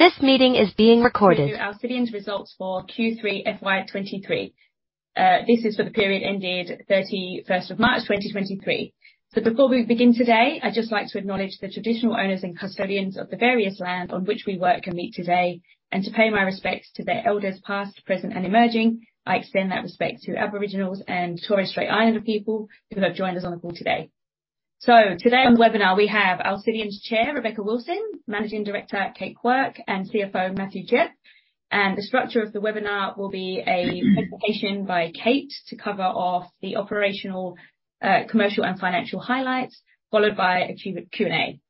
This meeting is being recorded. We're gonna do Alcidion's results for Q3 FY 2023. This is for the period ended 31st of March 2023. Before we begin today, I'd just like to acknowledge the traditional owners and custodians of the various lands on which we work and meet today, and to pay my respects to their elders past, present, and emerging. I extend that respect to Aboriginal and Torres Strait Islander people who have joined us on the call today. Today on the webinar, we have Alcidion's chair, Rebecca Wilson; Managing Director, Kate Quirke; and CFO, Matthew Gepp. The structure of the webinar will be a presentation by Kate to cover off the operational, commercial, and financial highlights, followed by a Q&A.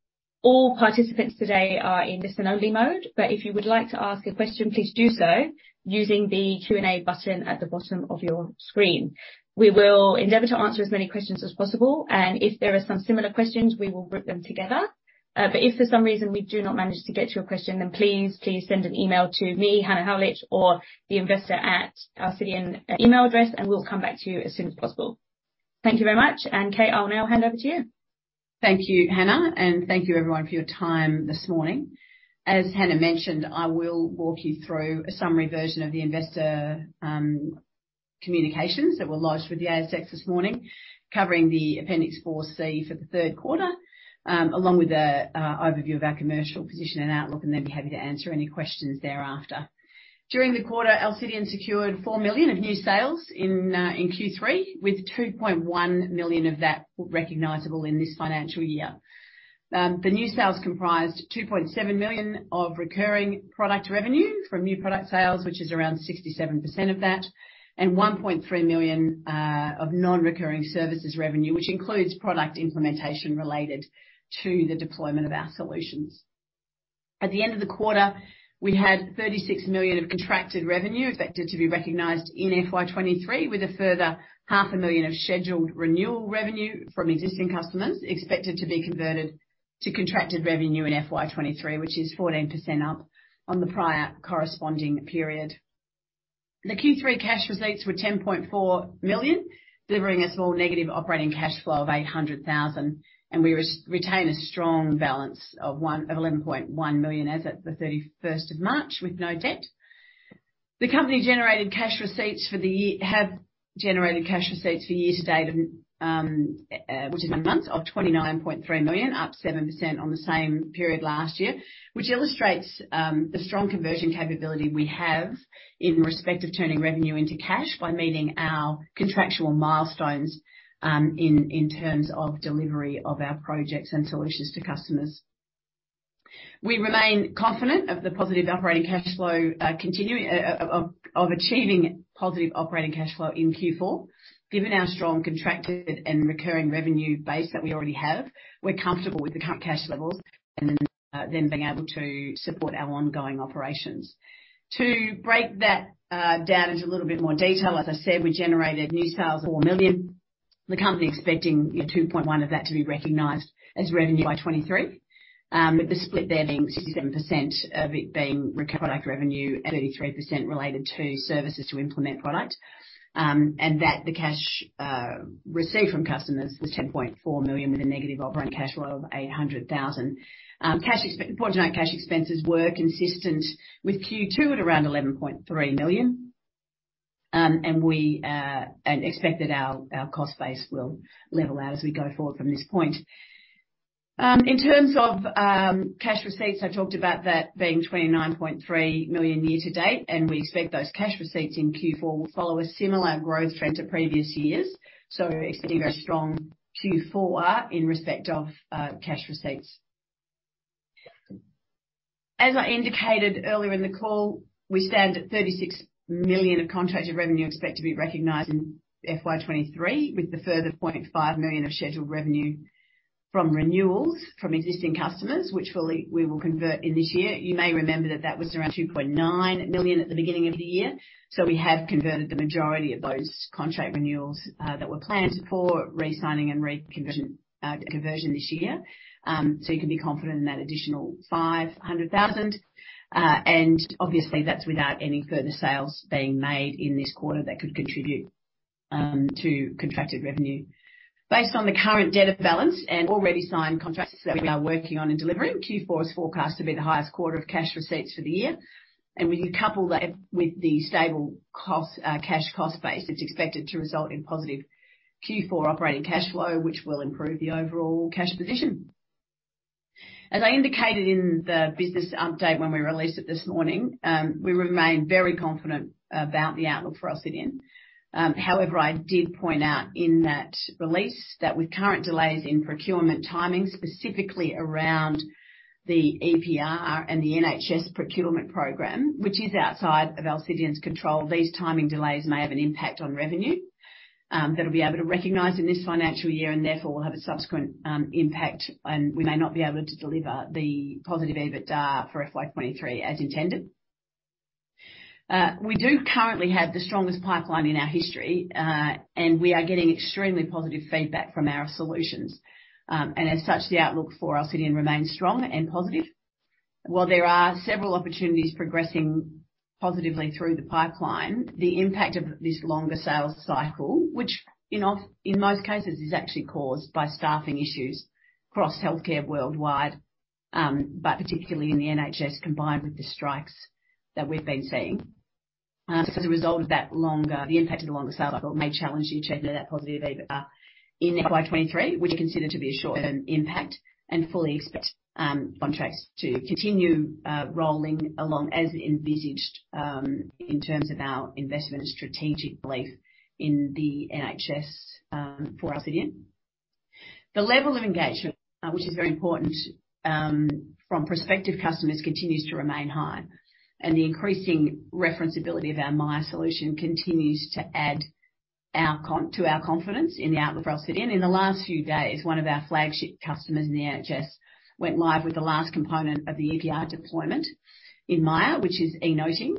All participants today are in listen-only mode, but if you would like to ask a question, please do so using the Q&A button at the bottom of your screen. We will endeavor to answer as many questions as possible, and if there are some similar questions, we will group them together. If for some reason we do not manage to get to your question, then please send an email to me, Hannah Howlett, or the investor at Alcidion email address, and we'll come back to you as soon as possible. Thank you very much. Kate, I'll now hand over to you. Thank you, Hannah Howlett. Thank you everyone for your time this morning. As Hannah Howlett mentioned, I will walk you through a summary version of the investor communications that were lodged with the ASX this morning, covering the Appendix 4C for the third quarter, along with an overview of our commercial position and outlook, and then be happy to answer any questions thereafter. During the quarter, Alcidion secured 4 million of new sales in Q3, with 2.1 million of that recognizable in this financial year. The new sales comprised 2.7 million of recurring product revenue from new product sales, which is around 67% of that, and 1.3 million of non-recurring services revenue, which includes product implementation related to the deployment of our solutions. At the end of the quarter, we had 36 million of contracted revenue expected to be recognized in FY 2023, with a further half a million of scheduled renewal revenue from existing customers expected to be converted to contracted revenue in FY 2023, which is 14% up on the prior corresponding period. The Q3 cash receipts were 10.4 million, delivering a small negative operating cash flow of 800,000, and we retain a strong balance of 11.1 million as at the 31st of March with no debt. The company have generated cash receipts for year to date of, which is nine months of 29.3 million, up 7% on the same period last year, which illustrates the strong conversion capability we have in respect of turning revenue into cash by meeting our contractual milestones in terms of delivery of our projects and solutions to customers. We remain confident of the positive operating cash flow continuing of achieving positive operating cash flow in Q4. Given our strong contracted and recurring revenue base that we already have, we're comfortable with the current cash levels and them being able to support our ongoing operations. To break that down into a little bit more detail, as I said, we generated new sales of 4 million. The company expecting 2.1 of that to be recognized as revenue by 2023. With the split there being 67% of it being product revenue, at 33% related to services to implement product. The cash received from customers was 10.4 million, with a negative operating cash flow of 800,000. Important to note, cash expenses were consistent with Q2 at around 11.3 million. We expect that our cost base will level out as we go forward from this point. In terms of cash receipts, I talked about that being 29.3 million year to date, and we expect those cash receipts in Q4 will follow a similar growth trend to previous years. Expect a strong Q4 in respect of cash receipts. As I indicated earlier in the call, we stand at 36 million of contracted revenue expected to be recognized in FY 2023, with the further 0.5 million of scheduled revenue from renewals from existing customers, which we will convert in this year. You may remember that was around 2.9 million at the beginning of the year. We have converted the majority of those contract renewals that were planned for re-signing and reconversion, conversion this year. You can be confident in that additional 500,000. Obviously, that's without any further sales being made in this quarter that could contribute to contracted revenue. Based on the current debt of balance and already signed contracts that we are working on and delivering, Q4 is forecast to be the highest quarter of cash receipts for the year. When you couple that with the stable cost, cash cost base, it's expected to result in positive Q4 operating cash flow, which will improve the overall cash position. As I indicated in the business update when we released it this morning, we remain very confident about the outlook for Alcidion. However, I did point out in that release that with current delays in procurement timing, specifically around the EPR and the NHS procurement program, which is outside of Alcidion's control, these timing delays may have an impact on revenue that we'll be able to recognize in this financial year, and therefore will have a subsequent impact and we may not be able to deliver the positive EBITDA for FY 2023 as intended. We do currently have the strongest pipeline in our history, and we are getting extremely positive feedback from our solutions. As such, the outlook for Alcidion remains strong and positive. Well, there are several opportunities progressing positively through the pipeline. The impact of this longer sales cycle, which in most cases is actually caused by staffing issues across healthcare worldwide, but particularly in the NHS, combined with the strikes that we've been seeing. As a result of the impact of the longer sale cycle may challenge you to achieve near that positive EBITDA in FY 2023, which are considered to be a short-term impact and fully expect contracts to continue, rolling along as envisaged, in terms of our investment and strategic belief in the NHS, for Alcidion. The level of engagement, which is very important, from prospective customers, continues to remain high, and the increasing reference ability of our Miya solution continues to add to our confidence in the outlook for Alcidion. In the last few days, one of our flagship customers in the NHS went live with the last component of the EPR deployment in Miya, which is e-noting.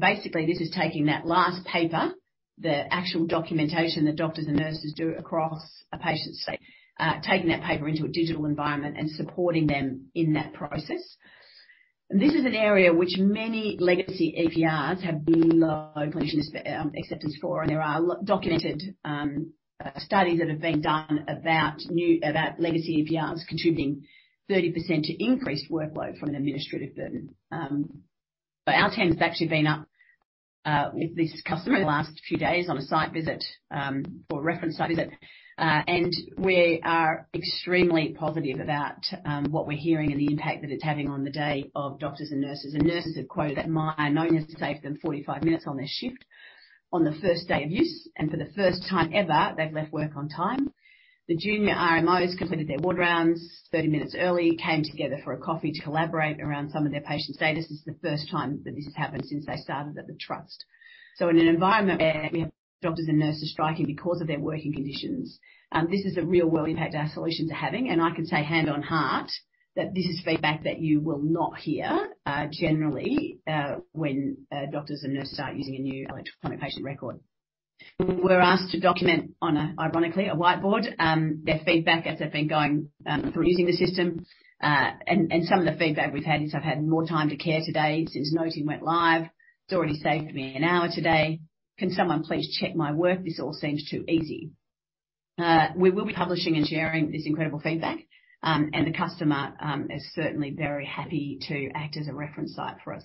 Basically this is taking that last paper, the actual documentation that doctors and nurses do across a patient's stay, taking that paper into a digital environment and supporting them in that process. This is an area which many legacy EPRs have been low clinician acceptance for, and there are documented studies that have been done about legacy EPRs contributing 30% to increased workload from an administrative burden. Our team has actually been up with this customer in the last few days on a site visit for a reference site visit. We are extremely positive about what we're hearing and the impact that it's having on the day of doctors and nurses. Nurses have quoted that Miya Noting has saved them 45 minutes on their shift on the first day of use. For the first time ever, they've left work on time. The junior RMOs completed their ward rounds 30 minutes early, came together for a coffee to collaborate around some of their patient status. This is the first time that this has happened since they started at the trust. In an environment where we have doctors and nurses striking because of their working conditions, this is a real-world impact our solutions are having. I can say hand on heart that this is feedback that you will not hear generally when doctors and nurses start using a new electronic patient record. We're asked to document on a, ironically, a whiteboard, their feedback as they've been going through using the system. And some of the feedback we've had is, "I've had more time to care today since noting went live. It's already saved me an hour today. Can someone please check my work? This all seems too easy." We will be publishing and sharing this incredible feedback, and the customer is certainly very happy to act as a reference site for us.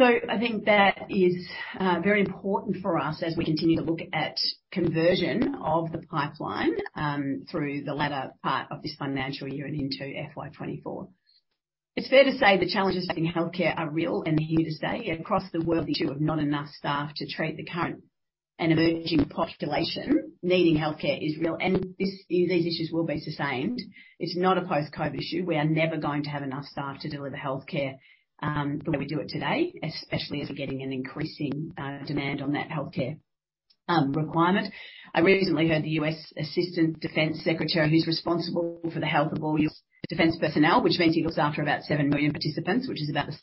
I think that is very important for us as we continue to look at conversion of the pipeline through the latter part of this financial year and into FY 2024. It's fair to say the challenges facing healthcare are real and here to stay. Across the world, the issue of not enough staff to treat the current and emerging population needing healthcare is real, and these issues will be sustained. It's not a post-COVID issue. We are never going to have enough staff to deliver healthcare, the way we do it today, especially as we're getting an increasing demand on that healthcare requirement. I recently heard the U.S. Assistant Defense Secretary, who's responsible for the health of all U.S. Defense personnel, which means he looks after about 7 million participants, which is about the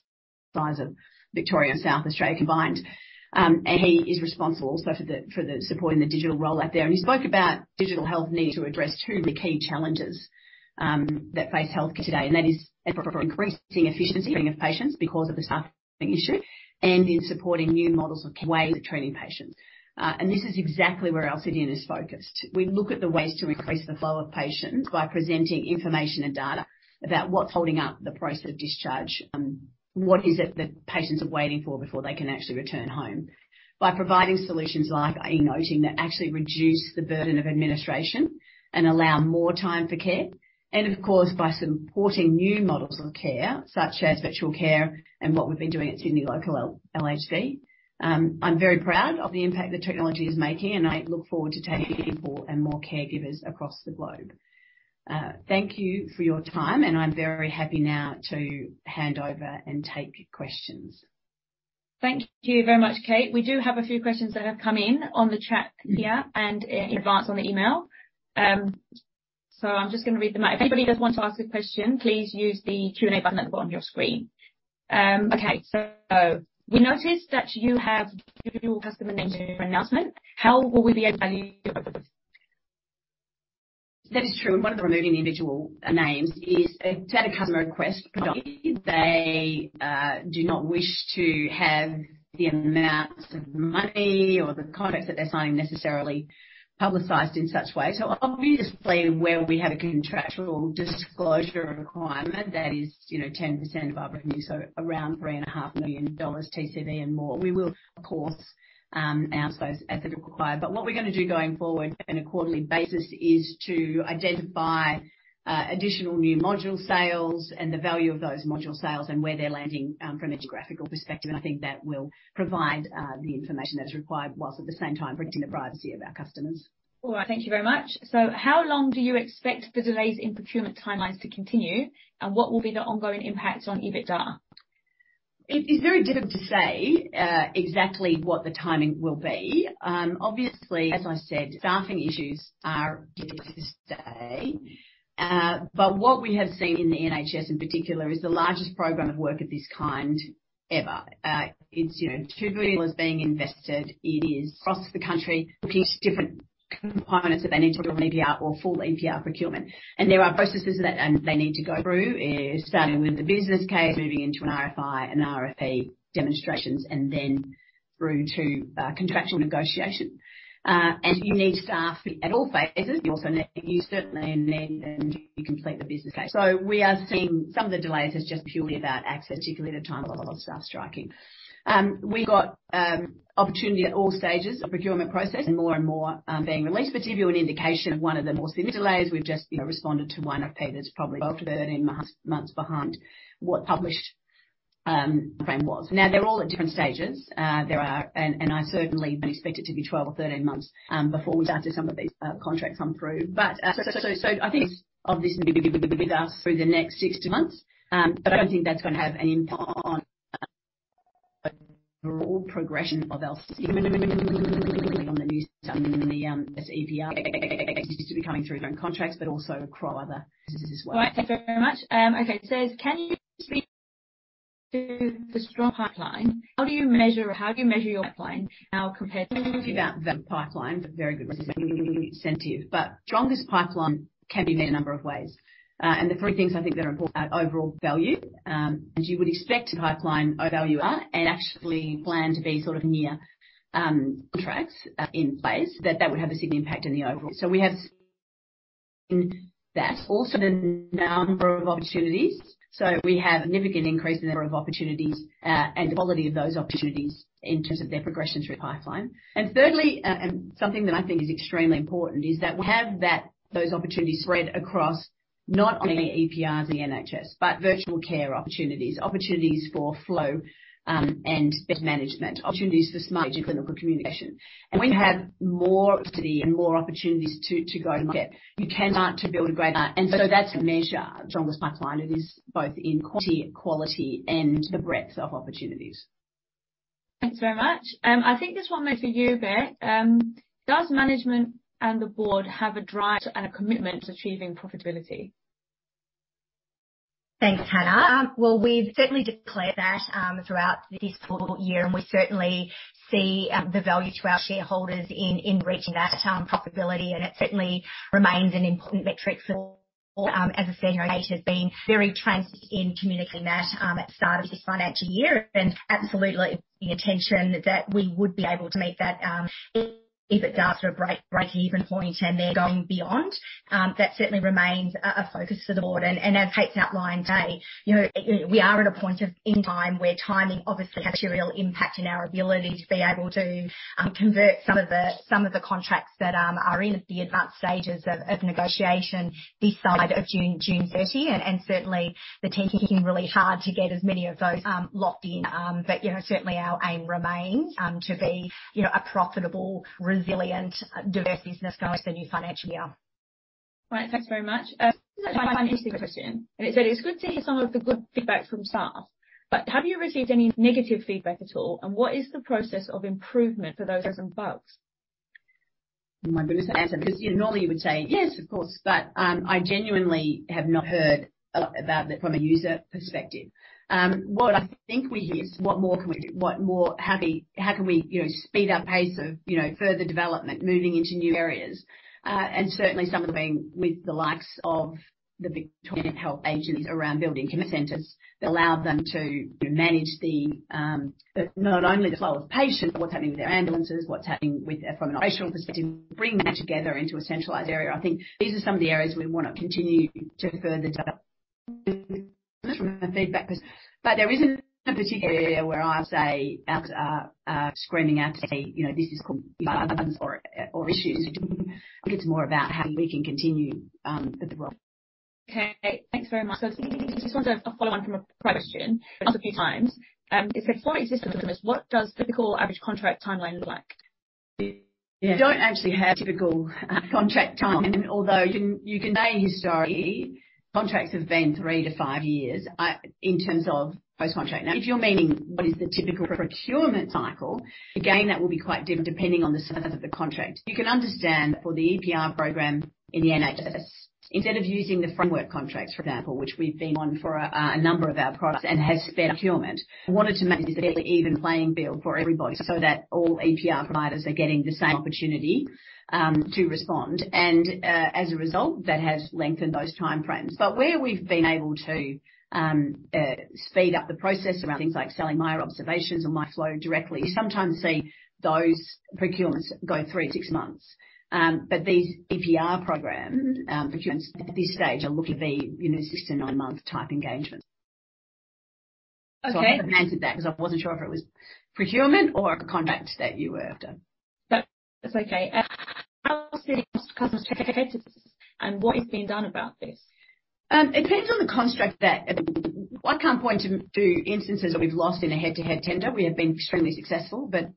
size of Victoria and South Australia combined. He is responsible also for the support in the digital rollout there. He spoke about digital health need to address two of the key challenges that face healthcare today, and that is for increasing efficiency of patients because of the staffing issue and in supporting new models of care ways of treating patients. This is exactly where Alcidion is focused. We look at the ways to increase the flow of patients by presenting information and data about what's holding up the process of discharge. What is it that patients are waiting for before they can actually return home? By providing solutions like e-noting that actually reduce the burden of administration and allow more time for care, and of course, by supporting new models of care, such as virtual care and what we've been doing at Sydney Local LHD. I'm very proud of the impact the technology is making, and I look forward to taking it to more and more caregivers across the globe. Thank you for your time, and I'm very happy now to hand over and take your questions. Thank you very much, Kate. We do have a few questions that have come in on the chat here and in advance on the email. I'm just gonna read them out. If anybody does want to ask a question, please use the Q&A button at the bottom of your screen. Okay. We noticed that you have given your customer names in your announcement. How will we be able to? That is true, one of the removing the individual names is at a customer request. They do not wish to have the amounts of money or the contracts that they're signing necessarily publicized in such a way. Obviously, where we have a contractual disclosure requirement that is, you know, 10% of our revenue, so around three and a half million dollars TCV and more, we will of course announce those as required. What we're gonna do going forward on a quarterly basis is to identify additional new module sales and the value of those module sales and where they're landing from a geographical perspective. I think that will provide the information that is required whilst at the same time protecting the privacy of our customers. All right. Thank you very much. How long do you expect the delays in procurement timelines to continue, and what will be the ongoing impact on EBITDA? It is very difficult to say exactly what the timing will be. Obviously, as I said, staffing issues are difficult to say. What we have seen in the NHS in particular is the largest program of work of this kind ever. It's, you know, GBP 2 billion is being invested. It is across the country looking at different components that they need to build an EPR or full EPR procurement. There are processes that they need to go through, starting with the business case, moving into an RFI and RFP demonstrations and then through to contractual negotiation. You need staff at all phases. You certainly need them to complete the business case. We are seeing some of the delays as just purely about access, particularly at a time when a lot of staff striking. We got opportunity at all stages of procurement process and more and more being released. To give you an indication of one of the more similar delays, we've just, you know, responded to one RFP that's probably 12 to 13 months behind what published frame was. They're all at different stages. There are. I certainly don't expect it to be 12 or 13 months before we start to see some of these contracts come through. I think it's obviously gonna be with us through the next 6 to 12 months. I don't think that's gonna have any impact on overall progression of Alcidion on the new EPR coming through different contracts, but also across other businesses as well. All right. Thank you very much. okay. It says, "Can you speak to the strong pipeline? How do you measure your pipeline now compared to. About the pipeline, very good incentive. Strongest pipeline can be made a number of ways. The three things I think that are important are overall value, and you would expect the pipeline value are and actually plan to be sort of near contracts in place that would have a significant impact in the overall. We have that. Also the number of opportunities. We have a significant increase in the number of opportunities, and quality of those opportunities in terms of their progression through the pipeline. Thirdly, and something that I think is extremely important is that we have those opportunities spread across not only EPR, the NHS, but virtual care opportunities. Opportunities for flow, and bed management, opportunities for smarter clinical communication. We have more city and more opportunities to go to market. You cannot build a great. That's a measure. The strongest pipeline is both in quality and the breadth of opportunities. Thanks very much. I think this one may be for you, Bec. Does management and the board have a drive and a commitment to achieving profitability? Thanks, Hannah. Well, we've certainly declared that throughout this full year, and we certainly see the value to our shareholders in reaching that profitability. It certainly remains an important metric for us. As I said, Kate has been very transparent in communicating that at the start of this financial year. Absolutely the intention that we would be able to meet that if it's after a breakeven point and then going beyond that certainly remains a focus for the board. As Kate's outlined today, you know, we are at a point in time where timing obviously has a real impact in our ability to be able to convert some of the contracts that are in the advanced stages of negotiation this side of June 30. Certainly the team is working really hard to get as many of those, locked in. You know, certainly our aim remains, to be, you know, a profitable, resilient, diverse business going into the new financial year. All right, thanks very much. My final question, it said, "It's good to hear some of the good feedback from staff, but have you received any negative feedback at all? What is the process of improvement for those bugs? My goodness. Because, you know, normally you would say, "Yes, of course." I genuinely have not heard about that from a user perspective. What I think we hear is what more can we do? What more how can we, you know, speed up pace of, you know, further development, moving into new areas? And certainly some of them being with the likes of the Victorian Health Agency around building command centres that allow them to manage the, not only the flow of patients, what's happening with their ambulances, what's happening with, from an operational perspective, bring that together into a centralized area. I think these are some of the areas we wanna continue to further develop feedback. There isn't a particular area where I say screaming out, say, you know, this is causing or issues. It's more about how we can continue with the role. Okay, thanks very much. Just want to follow on from a question a few times. It says, "For existing business, what does typical average contract timeline look like? Don't actually have typical contract time. Although you can say historically contracts have been 3 years-5 years in terms of post-contract. If you're meaning what is the typical procurement cycle, again, that will be quite different depending on the size of the contract. You can understand for the EPR program in the NHS, instead of using the framework contracts, for example, which we've been on for a number of our products and has fed procurement, we wanted to make this a fairly even playing field for everybody, so that all EPR providers are getting the same opportunity to respond. As a result, that has lengthened those time frames. Where we've been able to speed up the process around things like selling Miya Observations or Miya Flow directly, sometimes see those procurements go 3 months-6 months. These EPR program procurements at this stage are looking to be, you know, 6 month-9 month type engagements. Okay. I haven't answered that because I wasn't sure if it was procurement or a contract that you were after. That's okay. How is it and what is being done about this? It depends on the contract that. I can't point to instances that we've lost in a head-to-head tender. We have been extremely successful, but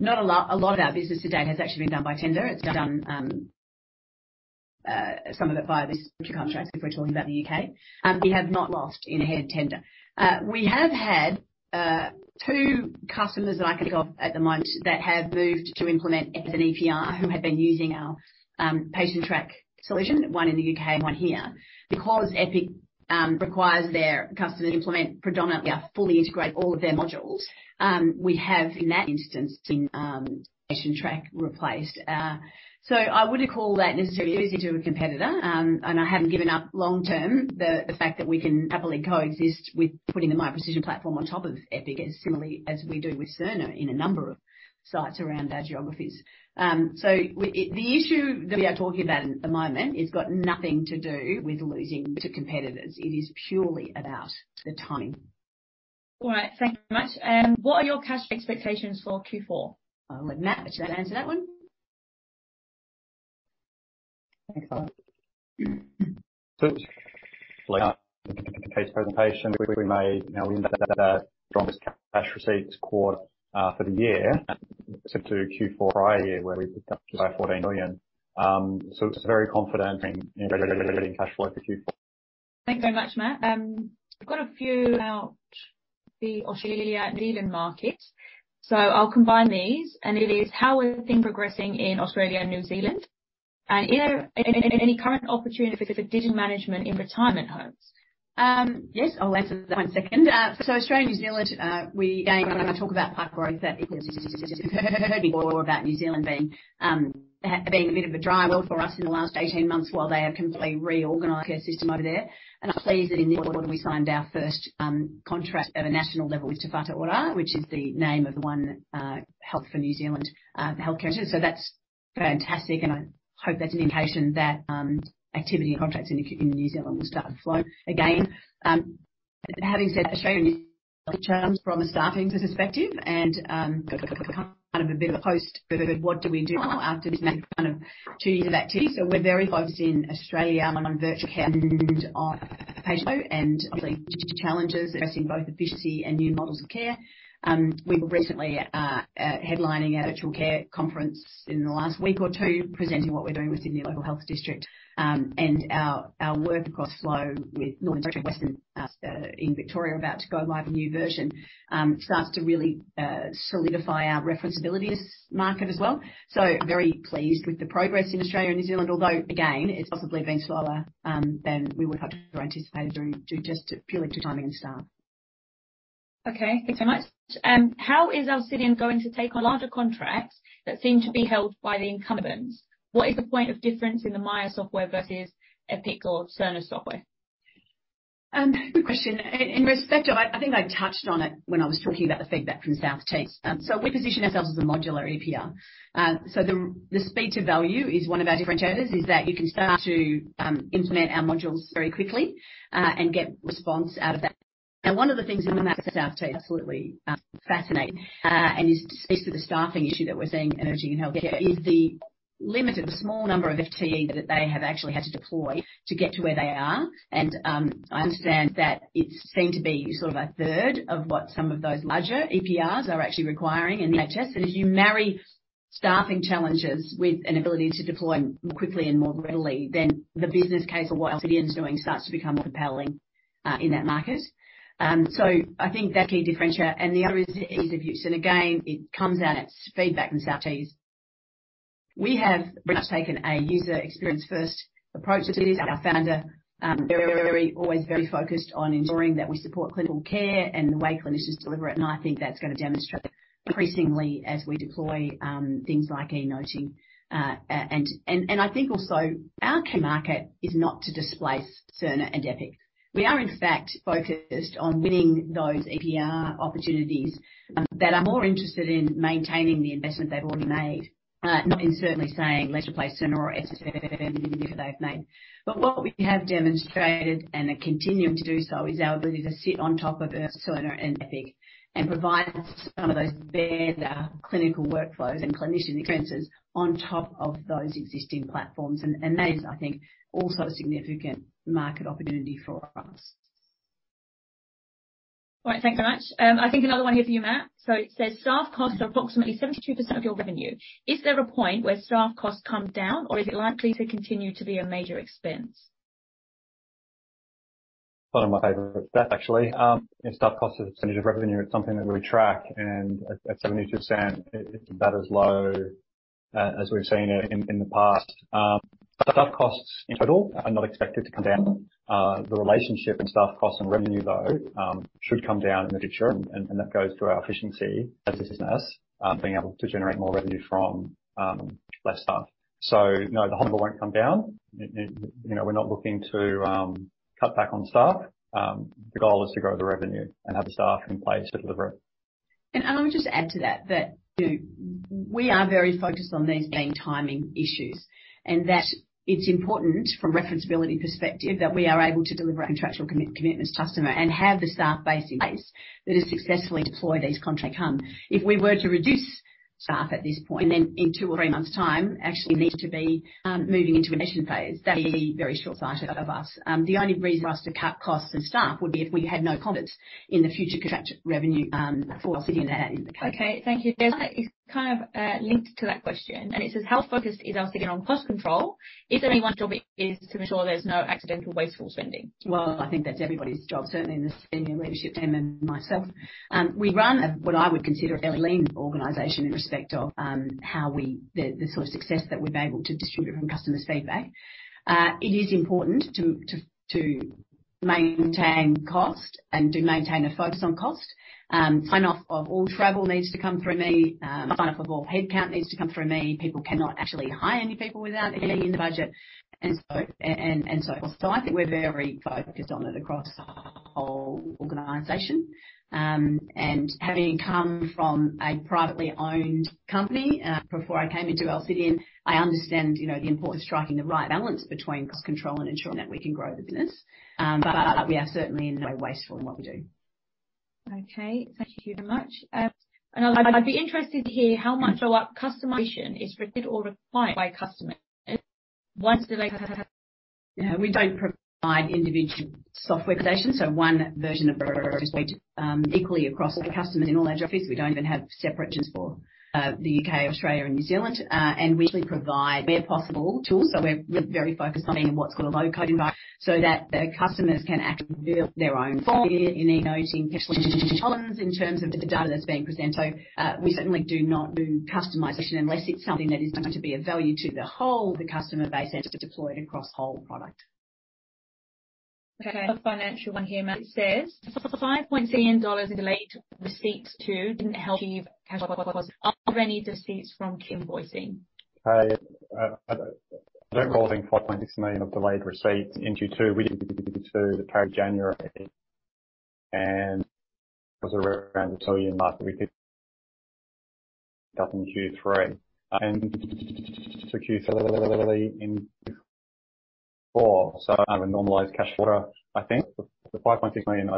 not a lot of our business to date has actually been done by tender. It's done, some of it via this contract, if we're talking about the U.K. We have not lost in a head tender. We have had two customers that I can think of at the moment that have moved to implement as an EPR who had been using our Patientrack solution, one in the U.K. and one here. Because Epic requires their customers to implement predominantly or fully integrate all of their modules, we have in that instance seen Patientrack replaced. I wouldn't call that necessarily losing to a competitor, and I haven't given up long term the fact that we can happily coexist with putting the Miya Precision platform on top of Epic as similarly as we do with Cerner in a number of sites around our geographies. The issue that we are talking about at the moment has got nothing to do with losing to competitors. It is purely about the timing. All right. Thank you very much. What are your cash expectations for Q4? I'll let Matt answer that one. Thanks. Like case presentation, we made now from cash receipts quarter, for the year except to Q4 last year, where we picked up to 14 million. It's a very confident in getting cash flow for Q4. Thanks very much, Matt. I've got a few about the Australia and New Zealand market, so I'll combine these. It is, how are things progressing in Australia and New Zealand? Are there any current opportunities for digital management in retirement homes? Yes, I'll answer that one second. So Australia and New Zealand, again, when I talk about PAC growth, that equals heard before about New Zealand being a bit of a dry well for us in the last 18 months while they have completely reorganized their system over there. I'm pleased that in this quarter we signed our first contract at a national level with Te Whatu Ora, which is the name of the one Health for New Zealand healthcare. That's fantastic. I hope that's an indication that activity and contracts in New Zealand will start to flow again. Having said Australia terms from a staffing perspective and kind of a bit of a post, what do we do after this kind of two years of activity? We're very focused in Australia on virtual care and on patient flow and obviously challenges addressing both efficiency and new models of care. We were recently headlining a virtual care conference in the last week or two, presenting what we're doing within the Sydney Local Health District. And our work, of course, flow with Northern Beaches Hospital in Victoria about to go live a new version, starts to really solidify our referenceability market as well. Very pleased with the progress in Australia and New Zealand. Although again, it's possibly been slower than we would have anticipated due just purely to timing and staff. Thanks so much. How is Alcidion going to take on larger contracts that seem to be held by the incumbents? What is the point of difference in the Miya software versus Epic or Cerner software? Good question. In respect of I think I touched on it when I was talking about the feedback from South Tees. We position ourselves as a modular EPR. The speed to value is one of our differentiators, is that you can start to implement our modules very quickly and get response out of that. One of the things that came out of the South Tees absolutely fascinate and speaks to the staffing issue that we're seeing emerging in healthcare, is the limit of the small number of FTE that they have actually had to deploy to get to where they are. I understand that it's seen to be sort of a third of what some of those larger EPRs are actually requiring in the NHS. As you marry staffing challenges with an ability to deploy more quickly and more readily, then the business case of what Alcidion is doing starts to become compelling in that market. I think that's a key differentiator. The other is the ease of use. Again, it comes out as feedback from South Tees. We have very much taken a user experience first approach to this. Our founder, always very focused on ensuring that we support clinical care and the way clinicians deliver it. I think that's gonna demonstrate increasingly as we deploy things like e-noting. I think also our key market is not to displace Cerner and Epic. We are in fact focused on winning those EPR opportunities that are more interested in maintaining the investment they've already made. Not in certainly saying let's replace Cerner or Epic they've made. What we have demonstrated, and are continuing to do so is our ability to sit on top of Cerner and Epic and provide some of those better clinical workflows and clinician experiences on top of those existing platforms. That is, I think also a significant market opportunity for us. All right. Thank you very much. I think another one here for you, Matt. It says, "Staff costs are approximately 72% of your revenue. Is there a point where staff costs come down or is it likely to continue to be a major expense? One of my favorites, Beth, actually. Staff cost is 72% of revenue. It's something that we track and at 72% it's about as low as we've seen it in the past. Staff costs in total are not expected to come down. The relationship in staff cost and revenue though, should come down in the future and that goes to our efficiency as a business, being able to generate more revenue from less staff. No, the number won't come down. You know, we're not looking to cut back on staff. The goal is to grow the revenue and have the staff in place to deliver it. I want to just add to that, you know, we are very focused on these being timing issues, and that it's important from referenceability perspective, that we are able to deliver contractual commitments to customer and have the staff base in place that has successfully deployed these contracts. If we were to reduce staff at this point, and then in two or three months time actually need to be moving into a phase, that would be very short-sighted of us. The only reason for us to cut costs and staff would be if we had no confidence in the future contract revenue for Alcidion in the U.K. Okay. Thank you. This is kind of, linked to that question and it says, "How focused is Alcidion on cost control? Is anyone's job is to ensure there's no accidental wasteful spending? Well, I think that's everybody's job, certainly in the senior leadership team and myself. We run a, what I would consider a very lean organization in respect of how we the sort of success that we've been able to distribute from customers' feedback. It is important to maintain cost and do maintain a focus on cost. Sign-off of all travel needs to come through me. Sign-off of all headcount needs to come through me. People cannot actually hire any people without it being in the budget. I think we're very focused on it across our whole organization. Having come from a privately owned company, before I came into Alcidion, I understand, you know, the importance of striking the right balance between cost control and ensuring that we can grow the business. We are certainly in a way wasteful in what we do. Okay. Thank you very much. I'd be interested to hear how much of our customization is rigid or required by customers once they. We don't provide individual software customization, so one version of it, equally across all the customers in all our geographies. We don't even have separations for the U.K., Australia and New Zealand. We usually provide where possible tools. We're very focused on being in what's called a low-code environment so that the customers can actually build their own form in Miya Noting, in terms of the data that's being presented. We certainly do not do customization unless it's something that is going to be of value to the whole of the customer base and to deploy it across whole product. Okay. A financial one here. Matt says, "5 million dollars in delayed receipts too, didn't help give cash flows. Are there any disputes from invoicing? I don't recall the 5.6 million of delayed receipts in Q2. We did to the January. 'Cause around the AUD 1 billion last week nothing in Q3 and in Q4. I would normalize cash quarter. I think the 5.6 million,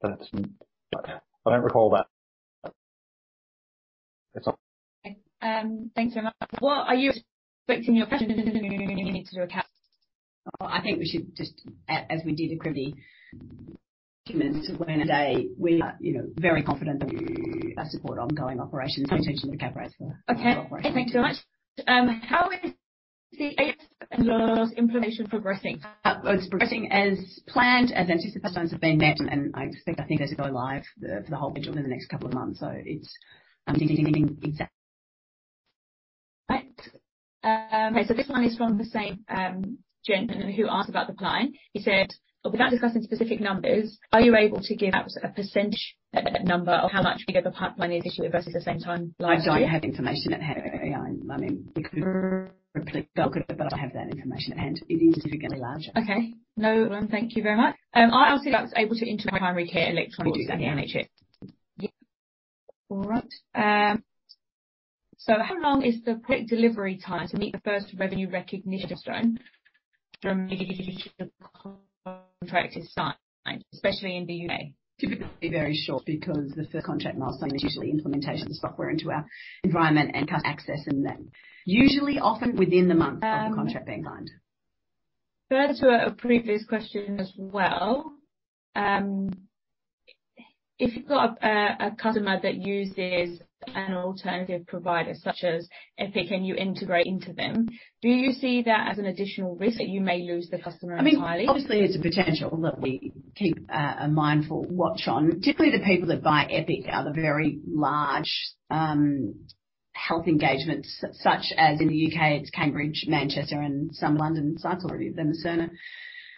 That's not there. I don't recall that. Thanks very much. What are you expecting your to recap? I think we should just, as we did accordingly, humans to learn today, we are, you know, very confident that you support ongoing operations in terms of the cap rates. Okay. Operations. Thanks so much. How is the implementation progressing? It's progressing as planned. As anticipated, milestones are being met. I expect our things to go live for the whole of the next couple of months. It's. Right. Okay, this one is from the same gentleman who asked about the client. He said, "Without discussing specific numbers, are you able to give out a percentage number of how much bigger the pipeline is this year versus the same time last year? I don't have information at hand. I mean, we could but I have that information. It is significantly larger. Okay. No problem. Thank you very much. Alcidion was able to integrate primary care electronically with the NHS. Yeah. All right. How long is the quick delivery time to meet the first revenue recognition milestone from the contract is signed, especially in the U.K.? Typically very short because the first contract milestone is usually implementation of the software into our environment and customer access, and then usually, often within the month of the contract being signed. Further to a previous question as well, if you've got a customer that uses an alternative provider such as Epic and you integrate into them, do you see that as an additional risk that you may lose the customer entirely? I mean, obviously, it's a potential that we keep a mindful watch on. Typically, the people that buy Epic are the very large, health engagements, such as in the U.K., it's Cambridge, Manchester and some London sites already than the Cerner.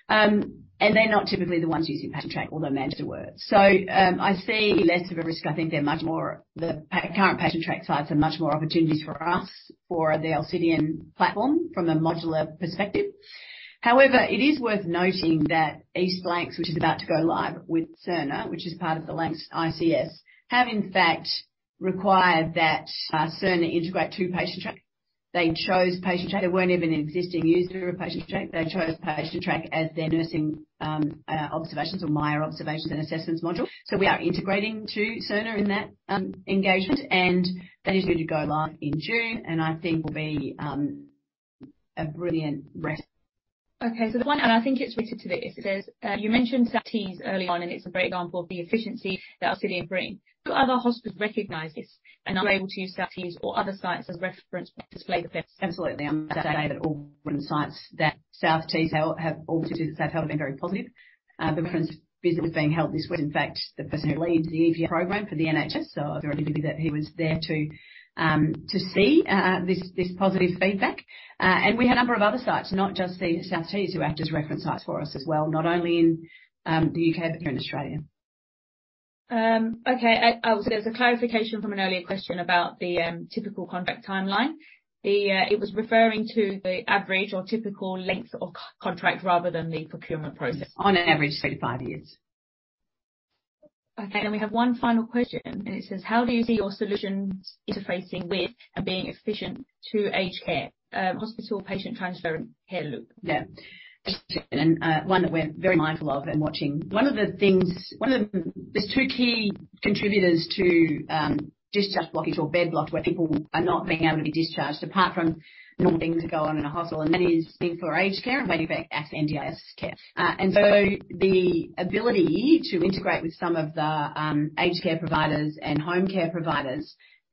And they're not typically the ones using Patientrack, although Manchester were. I see less of a risk. I think they're much more the current Patientrack sites are much more opportunities for us for the Alcidion platform from a modular perspective. However, it is worth noting that East Lancashire, which is about to go live with Cerner, which is part of the NHS Lanarkshire, have in fact required that Cerner integrate to Patientrack. They chose Patientrack. They weren't even an existing user of Patientrack. They chose Patientrack as their nursing, observations or Miya Observations and assessments module. We are integrating to Cerner in that engagement and that is due to go live in June, and I think will be a brilliant ref. Okay. The one, and I think it's related to this, it says, you mentioned South Tees early on, and it's a great example of the efficiency that Alcidion bring. Do other hospitals recognize this and are able to use South Tees or other sites as a reference to display the best? Absolutely. I must say that all sites that South Tees have all said South Tees have been very positive. The reference visit was being held this week. In fact, the person who leads the EFIA program for the NHS, so I was very happy that he was there to see this positive feedback. We have a number of other sites, not just the South Tees, who act as reference sites for us as well, not only in the U.K., but through in Australia. Okay. Also there's a clarification from an earlier question about the typical contract timeline. The it was referring to the average or typical length of contract rather than the procurement process. On an average, say, five years. Okay. We have one final question, and it says, "How do you see your solutions interfacing with and being efficient to aged care, hospital patient transfer and care loop? Yeah. One that we're very mindful of and watching. One of the things, There's two key contributors to discharge blockage or bed block, where people are not being able to be discharged, apart from normal things that go on in a hospital, and that is waiting for aged care and waiting for NDIS care. The ability to integrate with some of the aged care providers and home care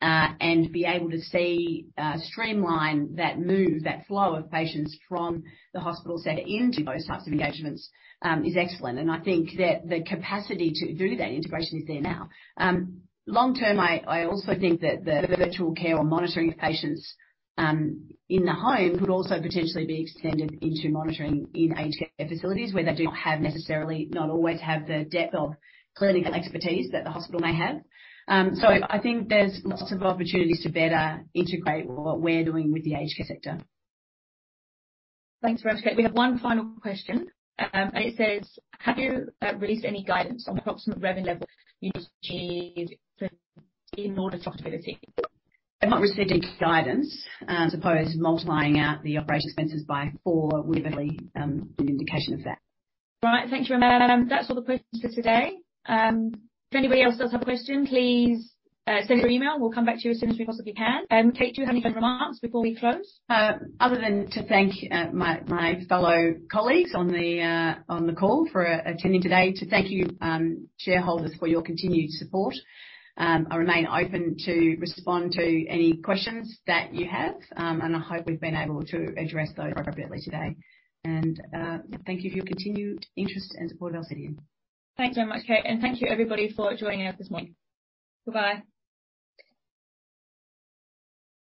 providers, and be able to see, streamline that move, that flow of patients from the hospital setting into those types of engagements, is excellent. I think that the capacity to do that integration is there now long term, I also think that the virtual care or monitoring of patients, in the home could also potentially be extended into monitoring in aged care facilities where they do not always have the depth of clinical expertise that the hospital may have. I think there's lots of opportunities to better integrate what we're doing with the aged care sector. Thanks for that, Kate. We have one final question. It says, "Have you released any guidance on the approximate revenue level you need in order to profitability? I'm not releasing guidance. I suppose multiplying out the operating expenses by four would have been an indication of that. All right. Thank you. That's all the questions for today. If anybody else does have a question, please send us an email. We'll come back to you as soon as we possibly can. Kate, do you have any final remarks before we close? Other than to thank my fellow colleagues on the call for attending today. To thank you, shareholders for your continued support. I remain open to respond to any questions that you have. I hope we've been able to address those appropriately today. Thank you for your continued interest and support of Alcidion. Thanks very much, Kate. Thank you everybody for joining us this morning. Bye-bye.